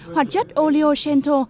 hoạt chất oleo centro